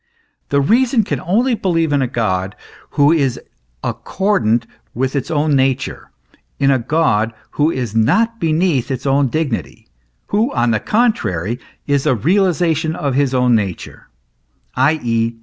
The reason can only believe in a God who is accordant with its own nature, in a God who is not beneath its own dignity, who on the contrary is a realization of its own nature : i.e.